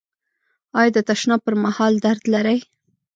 ایا د تشناب پر مهال درد لرئ؟